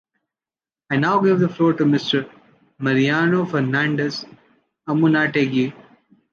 I now give the floor to Mr. Mariano Fernandez Amunategui.